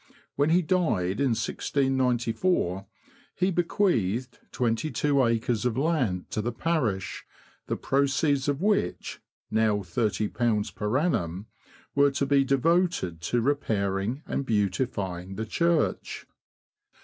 When he died, in 1694, he bequeathed twenty two acres of land to the parish, the proceeds of which (now £^0 per annum) were to be devoted to repairing and beautifying the church.